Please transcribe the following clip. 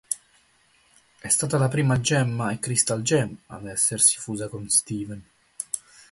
È stata la prima Gemma e Crystal Gem ad essersi fusa con Steven.